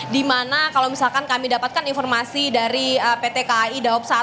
dimana kalau misalkan kami dapatkan informasi dari pt kai daob satu